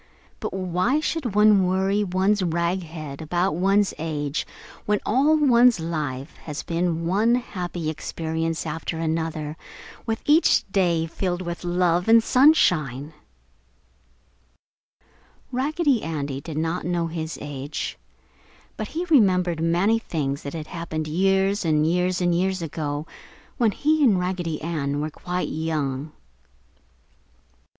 But why should one worry one's rag head about one's age when all one's life has been one happy experience after another, with each day filled with love and sunshine? [Illustration: Raggedy Andy in a chair] Raggedy Andy did not know his age, but he remembered many things that had happened years and years and years ago, when he and Raggedy Ann were quite young.